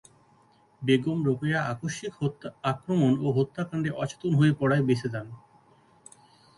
রোকেয়া বেগম আকস্মিক আক্রমণ ও হত্যাকাণ্ডে অচেতন হয়ে পড়ায় বেঁচে যান।